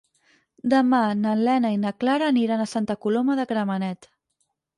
Demà na Lena i na Clara aniran a Santa Coloma de Gramenet.